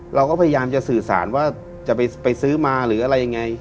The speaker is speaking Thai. เราก็พยายามจะสื่อสารว่าจะไปซื้อมาหรืออะไรยังไง